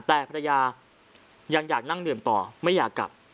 แต่ภรรยายังอยากนั่งดื่มต่อไม่อยากกลับ